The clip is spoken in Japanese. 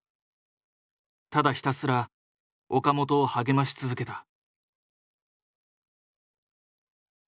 ただひたすら岡本を励まし続けた。